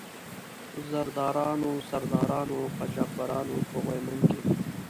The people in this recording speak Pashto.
زردارانو، سردارانو او قاچاق برانو په غويمند کې.